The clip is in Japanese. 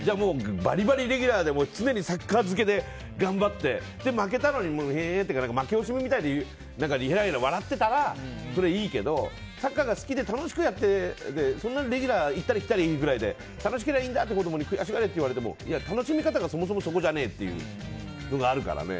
バリバリレギュラーで常にサッカー漬けで頑張って負けたのに、へへへって負け惜しみみたいににやにや笑ってたらいいけどサッカーが好きで楽しくやっててレギュラー行ったり来たりで楽しければいいんだっていう子供に悔しがれって言われても楽しみ方がそもそもそこじゃないっていうのがあるからね。